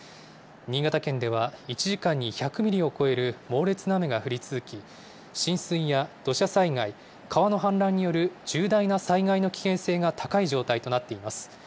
新潟県では、１時間に１００ミリを超える猛烈な雨が降り続き、浸水や土砂災害、川の氾濫による重大な災害の危険性が高い状態となっています。